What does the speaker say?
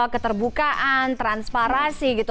keterbukaan transparasi gitu